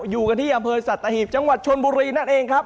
อยู่กันที่อำเภอสัตหีบจังหวัดชนบุรีนั่นเองครับ